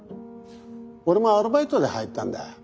俺もアルバイトで入ったんだよ。